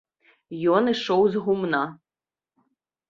Ён ішоў з гумна.